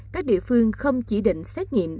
các địa phương không chỉ định xét nghiệm